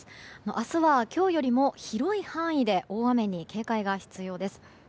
明日は今日よりも広い範囲で大雨に警戒が必要です。